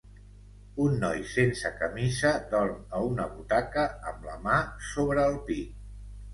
Un noi sense camisa dorm a una butaca amb la mà sobre el pit